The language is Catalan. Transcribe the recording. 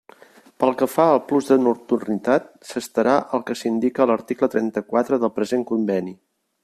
Pel que fa al plus de nocturnitat s'estarà al que s'indica a l'article trenta-quatre del present conveni.